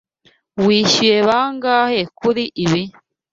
Wishyuye bangahe kuri ibi?